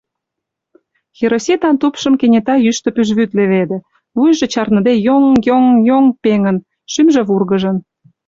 Хироситан тупшым кенета йӱштӧ пӱжвӱд леведе, вуйжо чарныде йоҥ-йоҥ-йоҥ пеҥын, шӱмжӧ вургыжын.